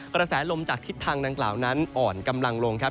กระแสลมจากทิศทางดังกล่าวนั้นอ่อนกำลังลงครับ